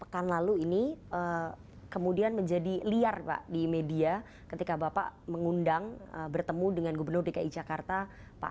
pekan lalu ini kemudian menjadi liar pak di media ketika bapak mengundang bertemu dengan gubernur dki jakarta pak